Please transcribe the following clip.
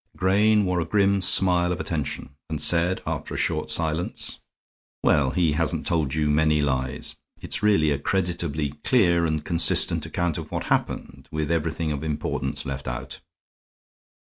Grayne wore a grim smile of attention, and said, after a short silence: "Well, he hasn't told you many lies. It's really a creditably clear and consistent account of what happened, with everything of importance left out."